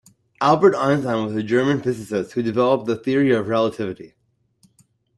Albert Einstein was a German physicist who developed the Theory of Relativity.